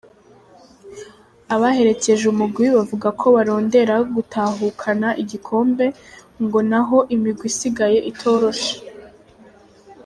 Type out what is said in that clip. Abaherekeje umugwi bavuga ko barondera gutahukana igikombe, ngo naho imigwi isigaye itoroshe.